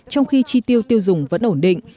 trong khi chi tiêu tiêu dùng vẫn ổn định